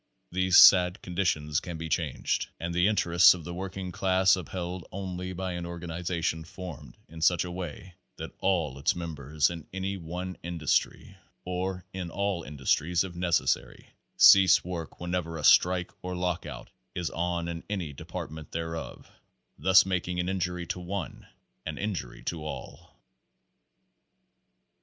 These sad conditions can be changed and the inter ests of the working class upheld only by an organiza \ tion formed in such a way that all its members in any /one industry, or in all industries, if necessary, cease A work whenever a strike or lockout is on in any depart /ment thereof, thus making an injury to one an injury 1 to all."